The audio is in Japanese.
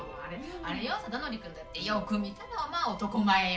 あれよ貞則君だってよく見たらまあ男前よ。